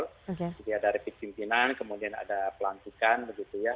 jadi ada repit pimpinan kemudian ada pelantikan begitu ya